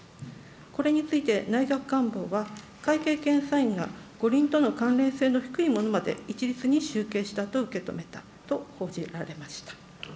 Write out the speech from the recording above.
これについて、内閣官房は会計検査院が五輪との関連性の低いものまで一律に集計したと受け止めたと報じられました。